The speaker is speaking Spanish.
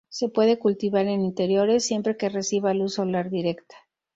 Se puede cultivar en interiores, siempre que reciba luz solar directa.